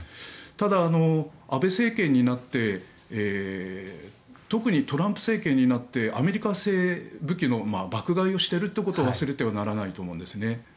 ただ、安倍政権になって特にトランプ政権になってアメリカ製武器の爆買いをしているということは忘れてはならないと思うんです。